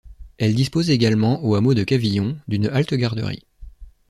Elle dispose également au hameau de Cavillon d'une halte-garderie.